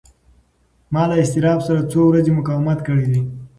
ما له اضطراب سره څو ورځې مقاومت کړی دی.